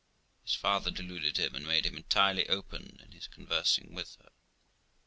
This farther deluded him, and made him entirely open in his conversing with her.